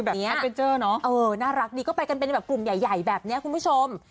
แอดเวนเจอร์เนอะเออน่ารักดีก็ไปกันเป็นแบบกลุ่มใหญ่แบบนี้คุณผู้ชม